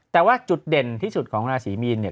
แต่ว่าจุดเด่นที่สุดของราศีมีนเนี่ย